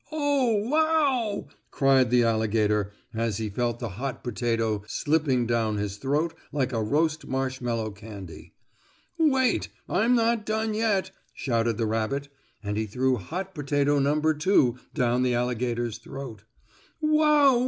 "Oh, wow!" cried the alligator, as he felt the hot potato slipping down his throat like a roast marshmallow candy. "Wait, I'm not done yet," shouted the rabbit, and he threw hot potato number two down the alligator's throat. "Wow!